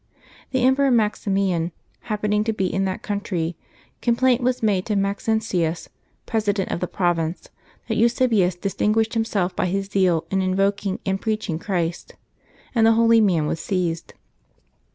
The Emperor Maximian happening to be in that country, complaint was made to Maxentius, president of the province, that Eusebius dis tinguished himself by his zeal in invoking and ppeaching August 15] LIVES OF THE SAINTS 281 Christ, and the holy man was seized.